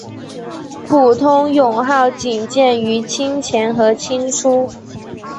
普通勇号仅见于清前和清初。